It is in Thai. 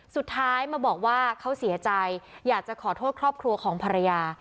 สุดท้ายมาบอกว่าเขาเสียใจอยากจะขอโทษครอบครัวของภรรยา